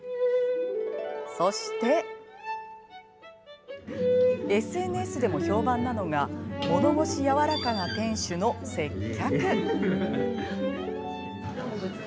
そしてＳＮＳでも評判なのが物腰やわらかな店主の接客。